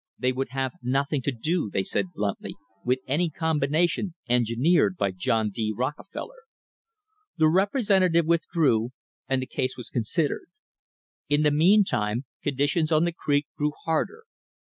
They would have nothing to do, they said bluntly, with any combination engineered by John D. Rockefeller. The representative withdrew and the case was considered. In the mean time conditions on the creek grew harder.